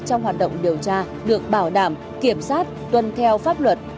trong hoạt động điều tra được bảo đảm kiểm sát tuân theo pháp luật